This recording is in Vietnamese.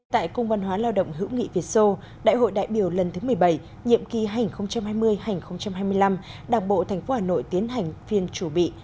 tại cung văn hóa lao động hữu nghị việt sô đại hội đại biểu lần thứ một mươi bảy nhiệm kỳ hai nghìn hai mươi hai nghìn hai mươi năm đảng bộ tp hà nội tiến hành phiên chủ bị